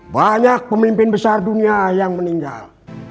banyak pemimpin besar dunia yang meninggal